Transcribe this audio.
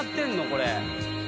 これ。